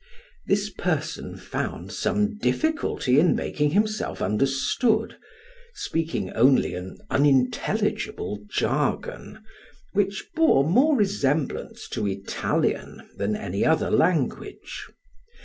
This person found some difficulty in making himself understood, speaking only an unintelligible jargon, which bore more resemblance to Italian than any other language.